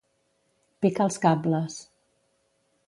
Picar els cables.